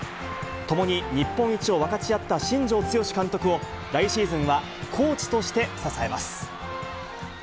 共に日本一を分かち合った新庄剛志監督を、来シーズンはコーチとして支えます。